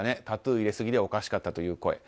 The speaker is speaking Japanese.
タトゥー入れすぎでおかしかったという声。